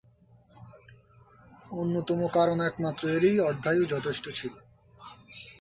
অন্যতম কারণ একমাত্র এরই অর্ধায়ু যথেষ্ট ছিল।